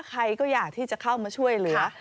ใครก็อยากที่จะเข้ามาช่วยเหลือ